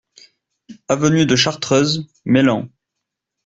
Avenue de Chartreuse, Meylan